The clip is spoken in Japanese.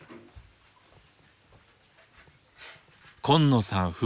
今野さん